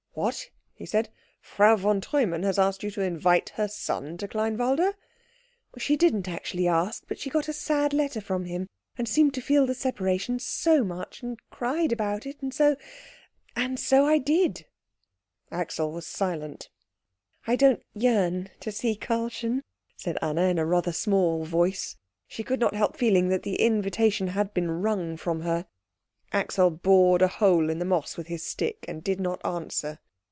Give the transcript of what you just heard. "What," he said, "Frau von Treumann has asked you to invite her son to Kleinwalde?" "She didn't actually ask, but she got a sad letter from him, and seemed to feel the separation so much, and cried about it, and so and so I did." Axel was silent. "I don't yearn to see Karlchen," said Anna in rather a small voice. She could not help feeling that the invitation had been wrung from her. Axel bored a hole in the moss with his stick, and did not answer.